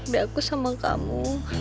bedaku sama kamu